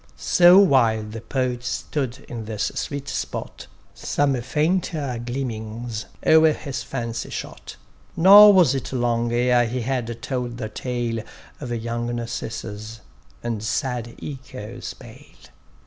So while the Poet stood in this sweet spot, Some fainter gleamings o'er his fancy shot; Nor was it long ere he had told the tale Of young Narcissus, and sad Echo's bale.